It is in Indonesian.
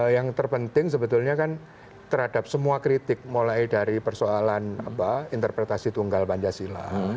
yang terpenting sebetulnya kan terhadap semua kritik mulai dari persoalan interpretasi tunggal pancasila